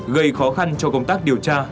gây khó khăn cho công tác điều tra